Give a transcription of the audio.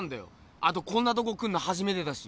あとこんなとこ来んのはじめてだし。